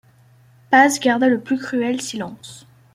Paz garda le plus cruel silence.